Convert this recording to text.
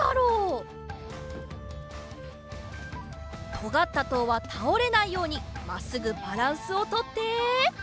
とがったとうはたおれないようにまっすぐバランスをとって。